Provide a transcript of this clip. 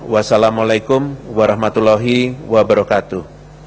wassalamu'alaikum warahmatullahi wabarakatuh